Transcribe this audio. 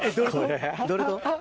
どれと？